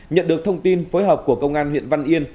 nhận được thông tin phối hợp của công an huyện văn yên